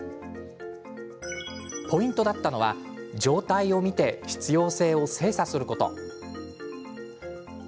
ポイントだったのは、状態を見て必要性を精査すること。